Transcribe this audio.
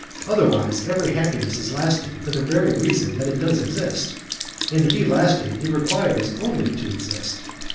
Otherwise, every happiness is lasting for the very reason that it does exist, and to be lasting it requires only to exist.